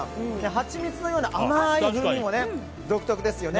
ハチミツのような甘い風味も独特ですよね。